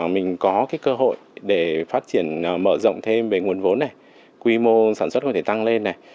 mình có cái cơ hội để phát triển mở rộng thêm về nguồn vốn này quy mô sản xuất có thể tăng lên này